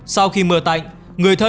sau khi mưa tạnh